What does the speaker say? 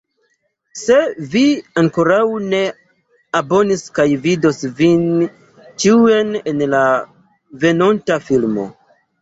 Se vi ankoraŭ ne abonis kaj vidos vin ĉiujn en la venonta filmo